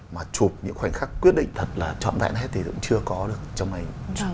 mà chụp những khoảnh khắc quyết định thật là chọn vẹn hết thì cũng chưa có được trong ảnh